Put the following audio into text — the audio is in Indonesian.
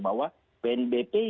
saya bisa mendeklir bahwa